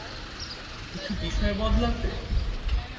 কিছু বিষয় বদলাতে!